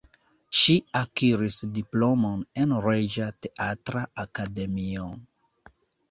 Ŝi akiris diplomon en Reĝa Teatra Akademio.